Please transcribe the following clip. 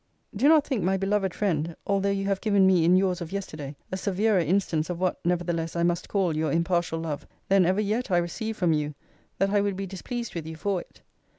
Do not think, my beloved friend, although you have given me in yours of yesterday a severer instance of what, nevertheless, I must call your impartial love, than ever yet I received from you, that I would be displeased with you for it.